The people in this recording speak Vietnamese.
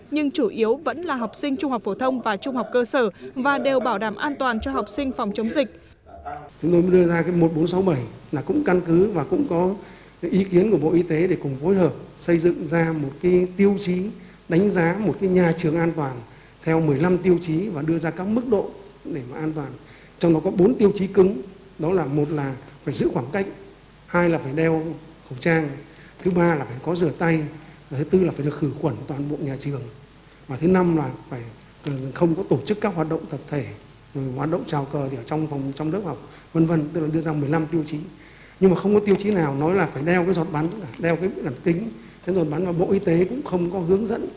nhưng chủ yếu vẫn là học sinh trung học phổ thông và trung học cơ sở và đều bảo đảm an toàn cho học sinh phòng chống dịch